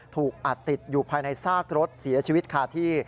ถูกอัดติดอยู่ภายในซากรถเสียชีวิตคาที่